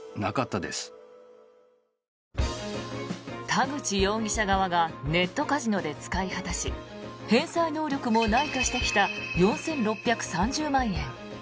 田口容疑者側がネットカジノで使い果たし返済能力もないとしてきた４６３０万円。